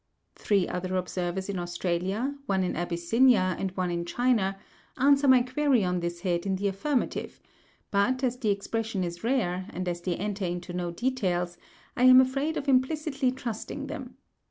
Three other observers in Australia, one in Abyssinia, and one in China, answer my query on this head in the affirmative; but as the expression is rare, and as they enter into no details, I am afraid of implicitly trusting them.